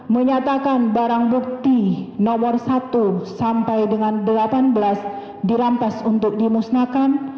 menyatakan barang bukti nomor satu sampai dengan delapan belas dirampas untuk dimusnahkan